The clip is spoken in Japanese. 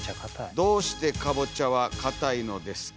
「どうしてかぼちゃはかたいのですか」。